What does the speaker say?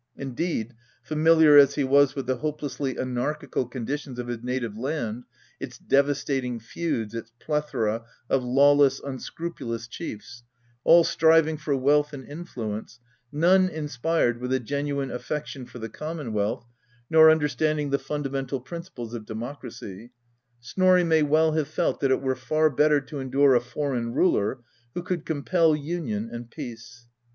Indeed, familiar as he was with the hopelessly anarchical conditions of his native land, its devastating feuds, its plethora of lawless, unscru pulous chiefs, all striving for wealth and influence, none inspired with a genuine affection for the commonwealth, nor understanding the fundamental principles of demo cracy, Snorri may well have felt that it were far better to endure a foreign ruler who could compel union and peace.